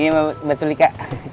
ini mbak sulika